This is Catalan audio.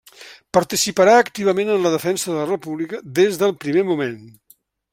Participarà activament en la defensa de la República des del primer moment.